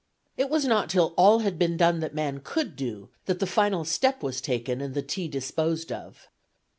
It was not till all had been done that man could do, that the final step was taken and the tea disposed of.